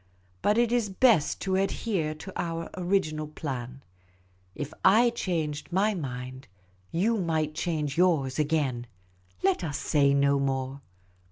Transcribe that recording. But it is best to adhere to our original plan. If / changed my mind, you might change yours again. Let us say no more.